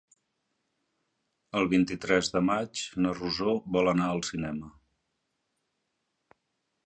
El vint-i-tres de maig na Rosó vol anar al cinema.